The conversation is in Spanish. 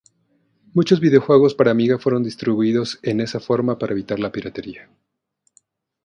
Muchos videojuegos para Amiga fueron distribuidos en esa forma para evitar la piratería.